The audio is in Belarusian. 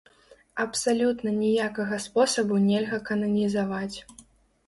Абсалютна ніякага спосабу нельга кананізаваць.